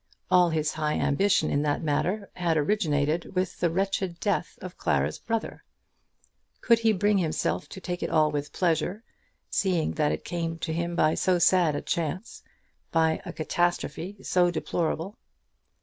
All his high ambition in that matter had originated with the wretched death of Clara's brother. Could he bring himself to take it all with pleasure, seeing that it came to him by so sad a chance, by a catastrophe so deplorable?